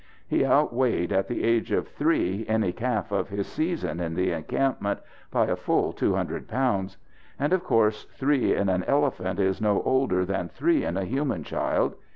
He outweighed, at the age of three, any calf of his season in the encampment by a full two hundred pounds. And of course three in an elephant is no older than three in a human child.